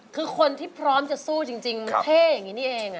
คือคนที่พร้อมจะสู้จริงเท่อย่างนี้นี่เอง